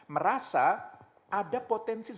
merasa ada potensi zakat